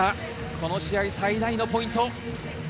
この試合最大のポイント。